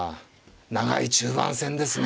長い中盤戦ですね。